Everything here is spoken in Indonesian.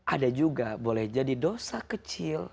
ada juga boleh jadi dosa kecil